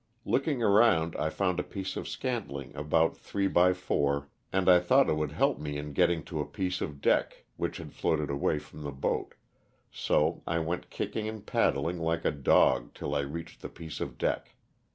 Looking around I found a piece of scantling about 3x4, and I thought it would help me in getting to a piece of deck which had lloated away from the boat, so I went kicking and paddling like a dog till I reached the piece of deck.